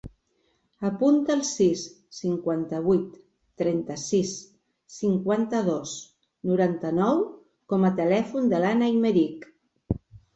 Apunta el sis, cinquanta-vuit, trenta-sis, cinquanta-dos, noranta-nou com a telèfon de l'Anna Aymerich.